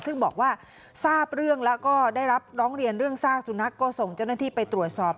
ซึ่งบอกว่าทราบเรื่องแล้วก็ได้รับร้องเรียนเรื่องซากสุนัขก็ส่งเจ้าหน้าที่ไปตรวจสอบ